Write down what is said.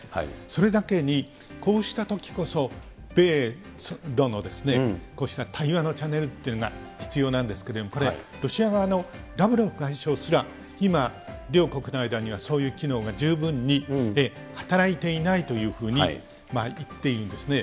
それだけにこうしたときこそ、米ロのこうした対話のチャネルというのが必要なんですけれども、これ、ロシア側のラブロフ外相すら今両国の間にはそういう機能が十分に働いていないというふうに言っていいんですね。